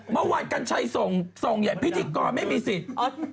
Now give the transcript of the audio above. เมื่อวันกัญชัยส่งที่ส่งอย่างพิธีกรไม่มีศิษย์